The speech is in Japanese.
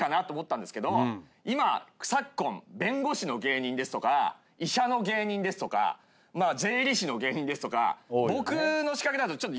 昨今弁護士の芸人ですとか医者の芸人ですとかまあ税理士の芸人ですとか。